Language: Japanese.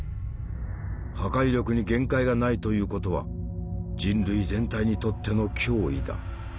破壊力に限界がないということは人類全体にとっての脅威だ」。